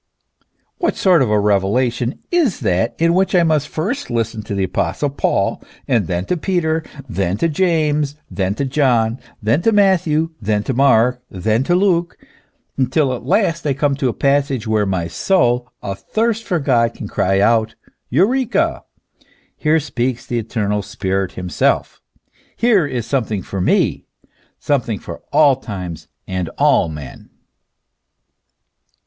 What sort of a revelation is that in which I must first listen to the apostle Paul, then to Peter, then to James, then to John, then to Matthew, then to Mark, then to Luke, until at last I come to a passage where my soul, athirst for God, can cry out : EUREKA ! here speaks the Holy Spirit himself! here is something for me, something for all times and all men.